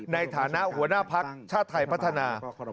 ในฐานะหัวหน้าภักดิ์ชาติไทยพัฒนา